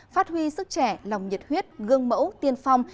phát huy sức trẻ lòng nhiệt huyết gương mẫu tiên phong